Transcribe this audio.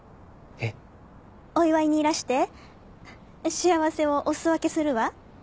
幸せをお裾分けするわ。